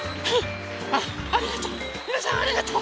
ありがとう。